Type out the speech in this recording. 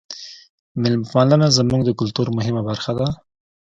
میلمه پالنه زموږ د کلتور مهمه برخه ده.